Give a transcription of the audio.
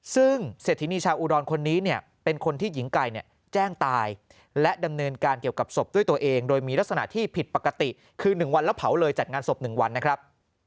ซึ่งเศรษฐินีชาวอุดรคนนี้เนี่ยเป็นคนที่หญิงไก่แจ้งตายและดำเนินการเกี่ยวกับศพด้วยตัวเองโดยมีลักษณะที่ผิดปกติคือ๑วันแล้วเผาเลยจัดงานศพ๑วันนะครับ